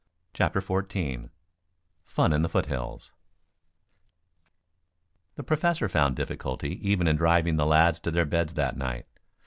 CHAPTER XIV FUN IN THE FOOTHILLS The Professor found difficulty even in driving the lads to their beds that night.